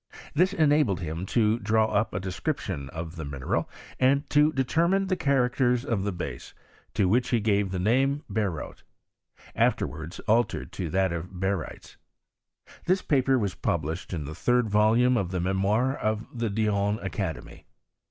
This enabled him to draw up a description of the mineral, and to deter mine the characters of the base, to which he gave the name of bitrote ; afterwards altered to that of barytes. This paper was published in the third volume of the Memoirs of the Dijon Academy.